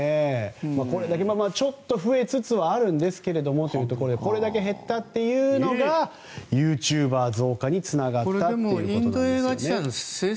ちょっと増えつつはあるんですがというところでこれだけ減ったというのがユーチューバー増加につながったということなんですよね。